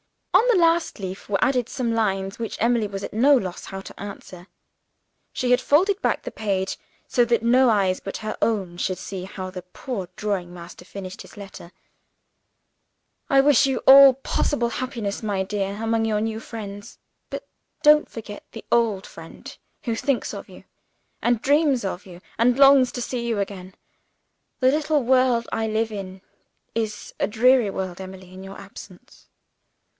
On the last leaf were added some lines, which Emily was at no loss how to answer. She had folded back the page, so that no eyes but her own should see how the poor drawing master finished his letter: "I wish you all possible happiness, my dear, among your new friends; but don't forget the old friend who thinks of you, and dreams of you, and longs to see you again. The little world I live in is a dreary world, Emily, in your absence.